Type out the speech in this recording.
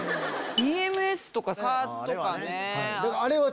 ＥＭＳとか加圧とかね。